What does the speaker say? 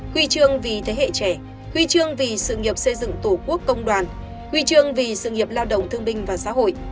huy chương vì thế hệ trẻ huy chương vì sự nghiệp xây dựng tổ quốc công đoàn huy chương vì sự nghiệp lao động thương binh và xã hội